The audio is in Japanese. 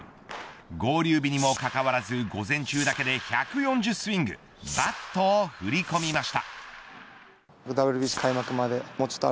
合流日にもかかわらず午前中だけで１４０スイングバットを振り込みました。